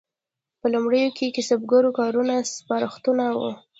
په لومړیو کې د کسبګرو کارونه سپارښتونکي وو.